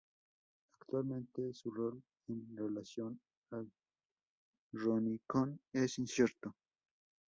Actualmente, su rol en relación al Chronicon es incierto.